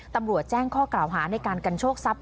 ตำรวจแจ้งข้อกล่าวหาในการกันโชคทรัพย